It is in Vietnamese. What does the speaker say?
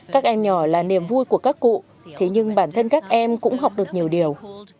các em nhỏ là niềm vui của các cụ thế nhưng bản thân các em cũng học được nhiều điều